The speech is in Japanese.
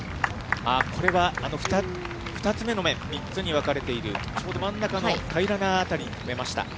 これは２つ目の面、３つに分かれている、ちょうど真ん中の平らな辺りに止めました。